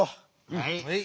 はい。